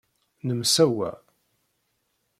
Nemsawa.